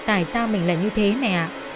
tại sao mình là như thế mẹ